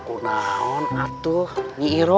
aku tidak akan pernah mengambilnya